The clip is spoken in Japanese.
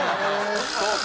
そうか。